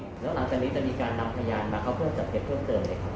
แล้วหลังจากนี้จะมีงานไปพยานมาเค้าก็เคยจับจดเทศเพิ่มเติมเลยครับ